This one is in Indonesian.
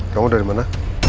kamu dari mana